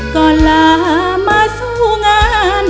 ก็ลามาสู้งั้นนะครับ